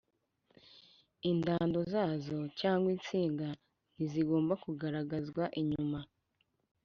indado zazo cg insinga ntizigomba kugaragazwa inyuma